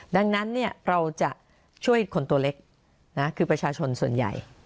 ดังนั้นเราจะช่วยคนตัวเล็กคือประชาชนส่วนใหญ่